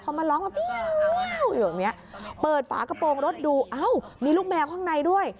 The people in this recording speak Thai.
พอมันร้องเปิดฝากระโปรงรถดูอ้าวมีลูกแมวข้างในด้วย